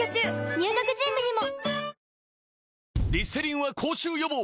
入学準備にも！